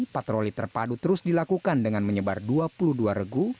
patroli terpadu terus dilakukan dengan menyebar dua puluh dua regu